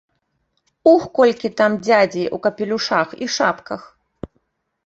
Ух, колькі там дзядзей у капелюшах і шапках!